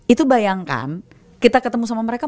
itu bayangkan kita ketemu sama mereka